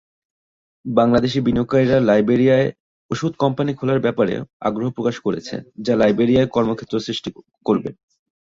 বাংলাদেশি বিনিয়োগকারীরা লাইবেরিয়ায় ঔষধ কোম্পানি খোলার ব্যাপারেও আগ্রহ প্রকাশ করেছে যা লাইবেরিয়ায় কর্মক্ষেত্র সৃষ্টি করবে।